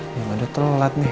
yang ada telat nih